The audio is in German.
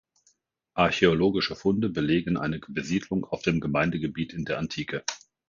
Archäologische Funde belegen eine Besiedlung auf dem Gemeindegebiet in der Antike.